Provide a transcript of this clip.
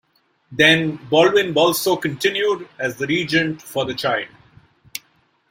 Then Baldwin Balso continued as the regent for the child.